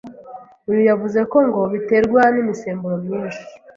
Uyu yavuze ko ngo biterwa n’imisemburo myinshi